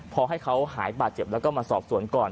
พอให้เขาหายบาดเจ็บแล้วก็มาสอบสวนก่อน